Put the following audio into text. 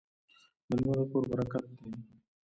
میلمه د کور برکت دی.